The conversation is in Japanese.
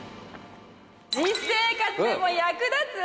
実生活でも役立つ？